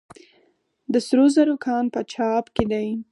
د سرو زرو کان په چاه اب کې دی